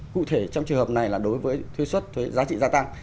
cụ thể trong trường hợp này là đối với thuế xuất thuế giá trị gia tăng